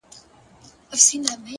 هوډ د ستونزو وزن کموي,